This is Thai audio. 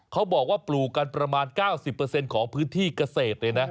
เขาบอกว่าปลูกกันประมาณ๙๐ของพื้นที่เกษตรเลยนะ